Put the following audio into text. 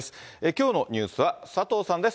きょうのニュースは佐藤さんです。